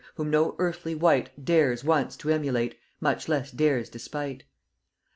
whom no earthly wight Dares once to emulate, much less dares despight.